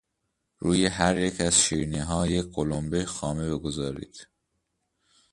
روی هریک از شیرینیها یک قلنبه خامه بگذارید.